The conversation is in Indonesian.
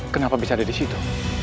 kenapa bisa ada di situ